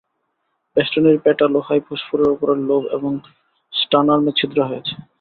বেষ্টনীর পেটা লোহায় ফুসফুসের উপরের লোব এবং স্টানার্মে ছিদ্র হয়েছে।